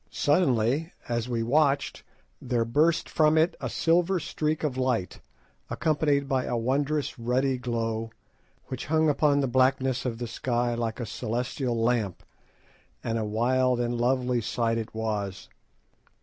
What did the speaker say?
Suddenly, as we watched, there burst from it a silver streak of light, accompanied by a wondrous ruddy glow, which hung upon the blackness of the sky like a celestial lamp, and a wild and lovely sight it was.